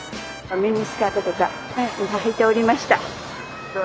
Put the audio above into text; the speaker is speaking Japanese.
ミニスカートとかはいておりました。